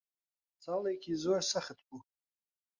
ساڵێکی زۆر سەخت بوو.